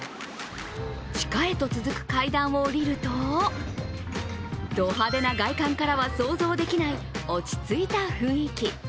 地下へと続く階段を下りるとド派手な外観からは想像できない落ち着いた雰囲気。